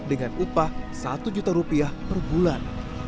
dengan upah rp satu juta perbulan